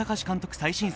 最新作